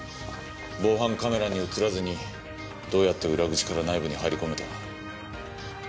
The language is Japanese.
防犯カメラに映らずにどうやって裏口から内部に入り込めた。